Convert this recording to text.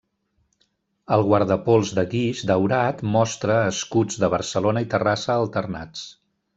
El guardapols de guix daurat mostra escuts de Barcelona i Terrassa alternats.